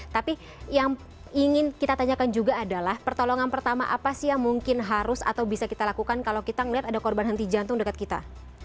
tapi yang ingin kita tanyakan juga adalah pertolongan pertama apa sih yang mungkin harus atau bisa kita lakukan kalau kita melihat ada korban henti jantung dekat kita